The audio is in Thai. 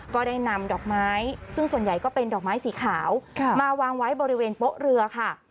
ก็ได้นำดอกไม้ซึ่งส่วนใหญ่ก็เป็นดอกไม้สีขาวมาวางไว้บริเวณโป๊ะเรือค่ะ